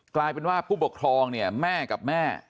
กลายเป็นว่าผู้ปกครองเนี่ยแม่กับแม่